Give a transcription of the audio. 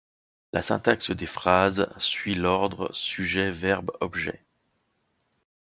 La syntaxe des phrases suit l'ordre sujet-verbe-objet.